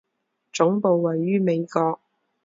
总部位于美国。